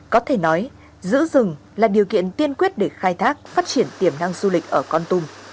có thể nói giữ rừng là điều kiện tiên quyết để khai thác phát triển tiềm năng du lịch ở con tum